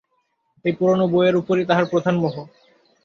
এই পুরানো বই-এর উপরই তাহার প্রধান মোহ।